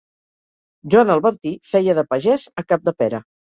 Joan Albertí feia de pagès a Capdepera.